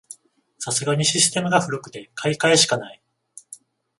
さすがにシステムが古くて買い替えしかない